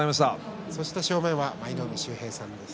そして正面舞の海秀平さんです。